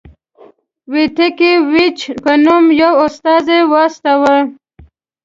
ویتکي ویچ په نوم یو استازی واستاوه.